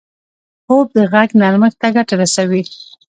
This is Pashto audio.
خوب د غږ نرمښت ته ګټه رسوي